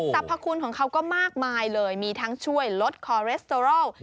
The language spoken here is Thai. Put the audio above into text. พคุณของเขาก็มากมายเลยมีทั้งช่วยลดคอเรสเตอรอล